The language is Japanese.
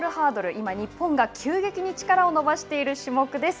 今、日本が急激に力を伸ばしている種目です。